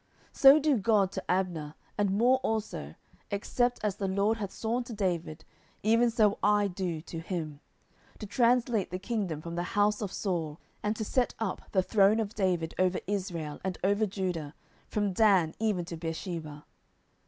10:003:009 So do God to Abner, and more also, except, as the LORD hath sworn to David, even so I do to him; 10:003:010 To translate the kingdom from the house of Saul, and to set up the throne of David over Israel and over Judah, from Dan even to Beersheba.